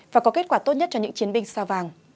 và có kết quả tốt nhất cho những chiến binh sao vàng